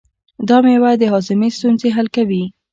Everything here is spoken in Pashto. دا مېوه د هاضمې ستونزې حل کوي.